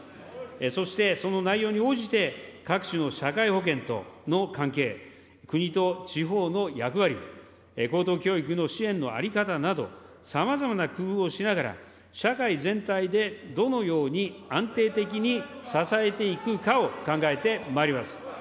そしてその内容に応じて各種の社会保険との関係、国と地方の役割、高等教育の支援の在り方など、さまざまな工夫をしながら、社会全体でどのように安定的に支えていくかを考えてまいります。